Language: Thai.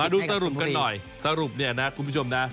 ดูสรุปกันหน่อยสรุปเนี่ยนะคุณผู้ชมนะ